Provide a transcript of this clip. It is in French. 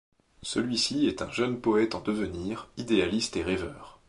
Celui-ci est un jeune poète en devenir, idéaliste et rêveur.